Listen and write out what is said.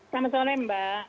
selamat sore mbak